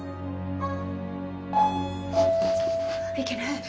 いけない！